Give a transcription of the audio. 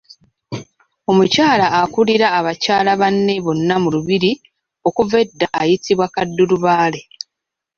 Omukyala akulira bakyala banne bonna mu Lubiri okuva edda ayitibwa Kaddulubaale.